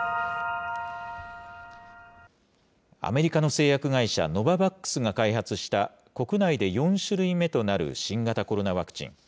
アメリカの製薬会社、ノババックスが開発した国内で４種類目となる新型コロナワクチン。